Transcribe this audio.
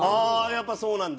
やっぱりそうなんだ。